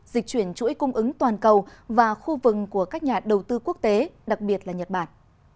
dịch chuyển chuỗi cung ứng toàn cầu và khu vừng của các nhà đầu tư quốc tế đặc biệt là nhật bản